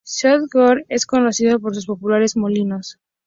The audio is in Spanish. Sant Jordi es conocido por sus populares molinos.